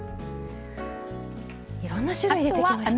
いろんな種類出てきました。